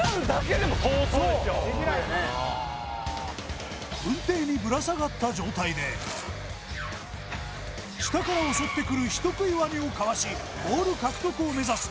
できないウンテイにぶら下がった状態で下から襲ってくる人食いワニをかわしボール獲得を目指す